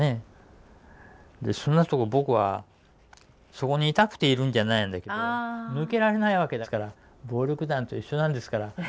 そんなとこ僕はそこに居たくているんじゃないんだけど抜けられないわけだから暴力団と一緒なんですからははは。